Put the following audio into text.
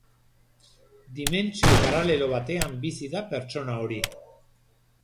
Dimentsio paralelo batean bizi da pertsona hori.